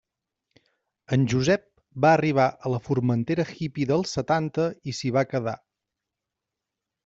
En Josep va arribar a la Formentera hippy dels setanta i s'hi va quedar.